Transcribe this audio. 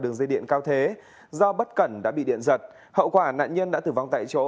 đường dây điện cao thế do bất cẩn đã bị điện giật hậu quả nạn nhân đã tử vong tại chỗ